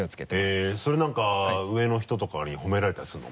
へぇっそれ何か上の人とかに褒められたりするの？